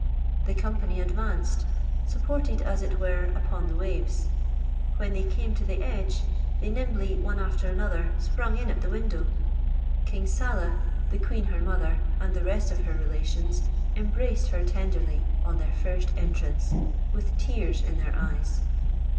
The company advanced, supported, as it were, upon the waves. When they came to the edge, they nimbly, one after another, sprung in at the window. King Saleh, the queen her mother, and the rest of her relations, embraced her tenderly on their first entrance, with tears in their eyes.